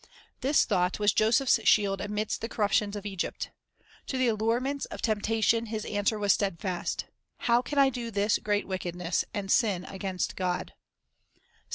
1 This thought was Joseph's shield amidst the corruptions of Egypt. To the allurements of temp tation his answer was steadfast: "How can I do this great wickedness, and sin against God?"